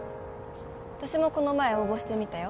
私もこの前応募してみたよ